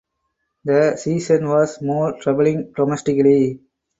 The season was more troubling domestically.